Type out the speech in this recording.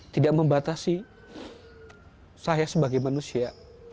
tidak membatasi saya sebagai manusia